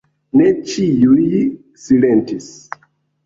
Ne ĉiuj silentis.